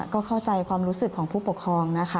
ก็เข้าใจความรู้สึกของผู้ปกครองนะคะ